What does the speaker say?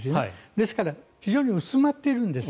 だから非常に薄まっているんです。